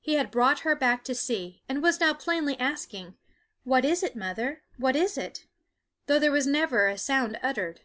He had brought her back to see, and was now plainly asking What is it, mother? what is it? though there was never a sound uttered.